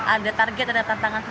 ada target ada tantangan